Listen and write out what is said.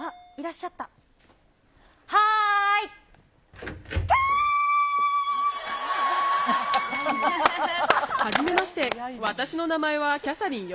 きゃー！はじめまして、私の名前はキャサリンよ。